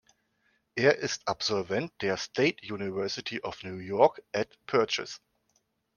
Er ist Absolvent der State University of New York at Purchase.